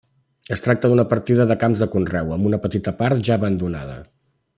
Es tracta d'una partida de camps de conreu, amb una petita part ja abandonada.